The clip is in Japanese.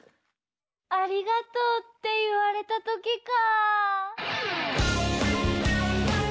「ありがとう」っていわれたときか。